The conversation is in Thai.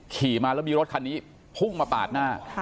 ขี่มาแล้วมีรถคันนี้พุ่งมาปาดหน้า